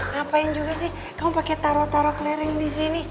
ngapain juga sih kamu pake taro taro klereng disini